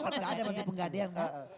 enggak ada menteri penggadean enggak